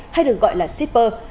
hay được gọi là shipper